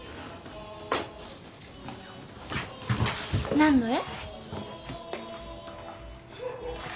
何の絵？